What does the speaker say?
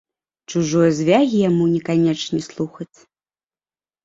Чужое звягі яму не канечне слухаць.